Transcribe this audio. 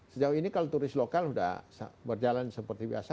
sejauh ini kalau turis lokal sudah berjalan seperti biasa